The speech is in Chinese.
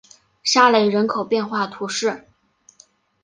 沙雷人口变化图示